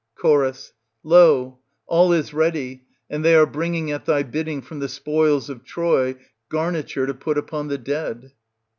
Cho. Lo ! all is ready and they are bringing at thy bidding from the spoils of Troy garniture to put upon the dead.